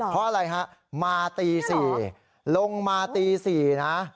เพราะอะไรฮะมาตี๔ลงมาตี๔นะ